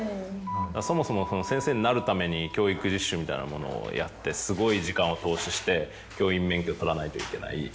そもそも先生になるために教育実習みたいなものをやってすごい時間を投資して教員免許を取らないといけない。